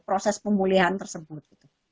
proses pemulihan tersebut